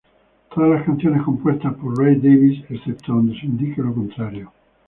Todas las canciones compuestas por Ray Davies, excepto donde se indique lo contrario.